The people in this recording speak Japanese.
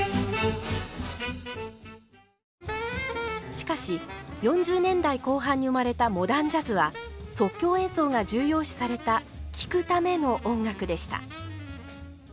しかし４０年代後半に生まれたモダンジャズは即興演奏が重要視された聴くための音楽でした。